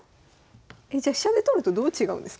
じゃあ飛車で取るとどう違うんですか？